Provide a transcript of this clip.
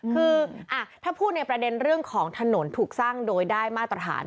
คือถ้าพูดในประเด็นเรื่องของถนนถูกสร้างโดยได้มาตรฐาน